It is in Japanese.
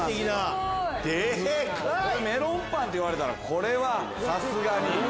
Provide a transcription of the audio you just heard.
メロンパンと言われたらこれはさすがに。